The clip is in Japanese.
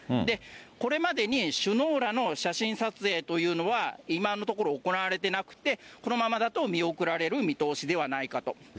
これまでに首脳らの写真撮影というのは今のところ、行われてなくて、このままだと見送られる見通しではないかと。